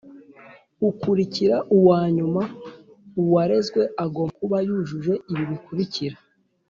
ukurikira uwa nyuma uwarezwe agomba kuba yujuje ibi bikurikira